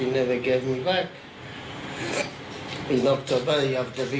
เพราะเธอไม่เคยขอให้จากทะเมีย